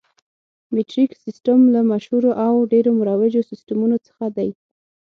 مټریک سیسټم له مشهورو او ډېرو مروجو سیسټمونو څخه دی.